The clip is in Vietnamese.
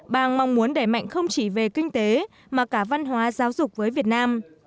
bang mong muốn đẩy mạnh không chỉ về kinh tế mà cả văn hóa giáo dục với việt nam